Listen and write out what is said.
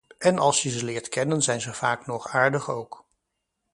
En als je ze leert kennen zijn ze vaak nog aardig ook.